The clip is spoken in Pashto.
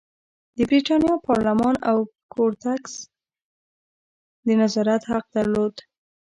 د برېتانیا پارلمان او کورتس د نظارت حق درلود.